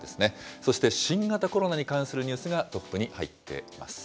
そして新型コロナに関するニュースがトップに入っています。